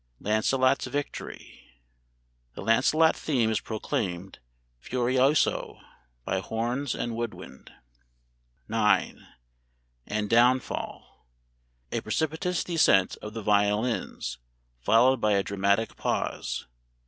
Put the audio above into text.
"LANCELOT'S VICTORY" [The Lancelot theme is proclaimed, furioso, by horns and wood wind.] IX. "AND DOWNFALL." [A precipitous descent of the violins, followed by a dramatic pause.